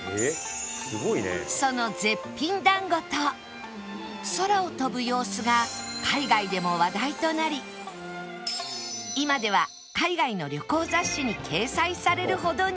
その絶品だんごと空を飛ぶ様子が海外でも話題となり今では海外の旅行雑誌に掲載されるほどに